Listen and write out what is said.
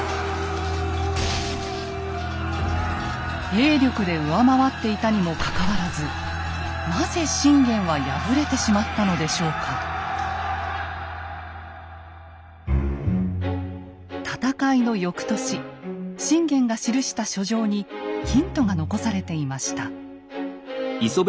兵力で上回っていたにもかかわらずなぜ信玄は戦いのよくとし信玄が記した書状にヒントが残されていました。